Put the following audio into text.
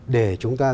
để chúng ta